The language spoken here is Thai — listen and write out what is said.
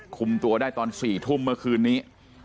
คุมตัวได้ตอน๔ทุ่มเมื่อคืนนี้